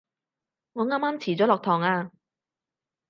我啱啱遲咗落堂啊